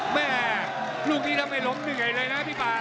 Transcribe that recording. แม่ลูกนี้ทำไมล้มเหนื่อยเลยนะพี่ป่า